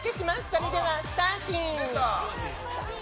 それではスターティン！